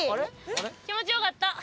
気持ちよかった。